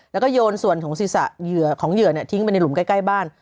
แล้วก็โยนส่วนของเหยื่อนทิ้งไปในหลุมใกล้บ้าน